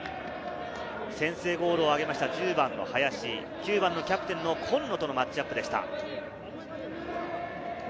先制ゴールをあげた１０番・林、９番キャプテンの今野とのマッチアップでした。